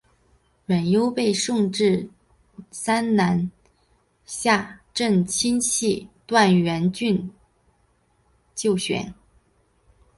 阮攸被送至山南下镇亲戚段阮俊就学。